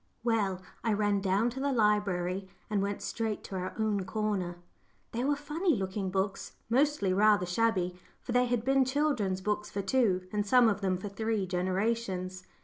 Well, I ran down to the library and went straight to our own corner. They were funny looking books mostly rather shabby, for they had been children's books for two, and some of them for three, generations.